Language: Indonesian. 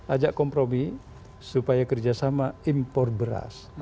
ajak kompromi supaya kerjasama impor beras